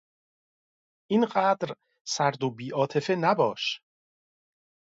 اینقدر سرد و بیعاطفه نباش.